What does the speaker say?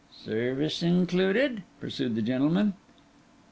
'Service included?' pursued the gentleman.